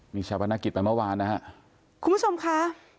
มีชาวพนักกิจไปเมื่อวานนะฮะคุณผู้ชมค่ะ